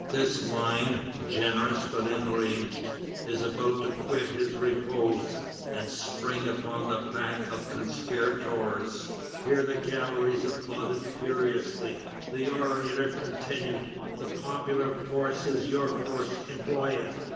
This lion, generous but enraged, is about to quit his repose, and spring upon the pack of conspirators." Here the galleries applauded furiously. The orator continued: "The popular force is your force; employ it.